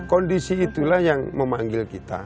kondisi itulah yang memanggil kita